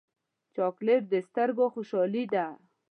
چاکلېټ د سترګو خوشحالي ده.